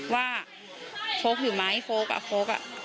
ว่าโฟกอยู่ไหมโฟกอะโฟกอะ